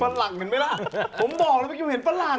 หลังเห็นไหมล่ะผมบอกเลยเมื่อกี้ผมเห็นฝรั่ง